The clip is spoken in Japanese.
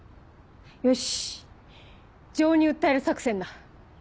よし情に訴える作戦だ。